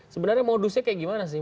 sebenarnya modusnya kayak gimana sih